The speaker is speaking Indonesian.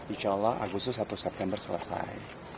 insya allah agustus atau september selesai